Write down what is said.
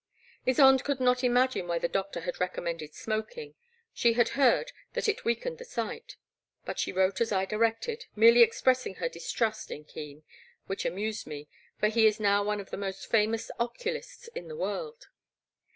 Ysonde could not imagine why the doctor had recommended smoking — she had heard that it weakened the sight, but she wrote as I directed, merely expressing her distrust in Keen, which amused me, for he is now one of the most famous oculists in the world.